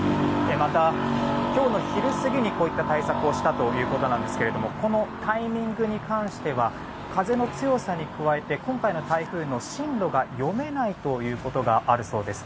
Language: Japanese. また、今日の昼過ぎにこういった対策をしたということですがこのタイミングに関しては風の強さに加えて今回の台風の進路が読めないということがあるそうです。